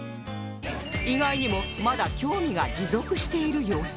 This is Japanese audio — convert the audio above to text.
意外にもまだ興味が持続している様子